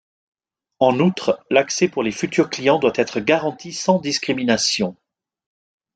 En outre, l'accès pour les futurs clients doit être garanti sans discrimination.